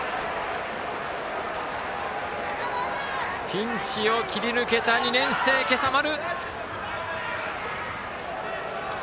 ピンチを切り抜けた２年生、今朝丸。